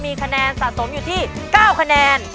มีคะแนนสะสมอยู่ที่๙คะแนน